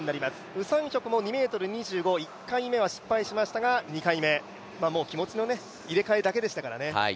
ウ・サンヒョクも２ｍ２５、１回目は失敗しましたが、２回目、気持ちの入れ替えだけでしたからね。